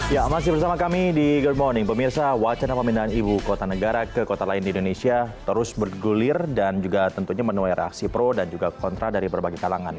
ya masih bersama kami di good morning pemirsa wacana pemindahan ibu kota negara ke kota lain di indonesia terus bergulir dan juga tentunya menuai reaksi pro dan juga kontra dari berbagai kalangan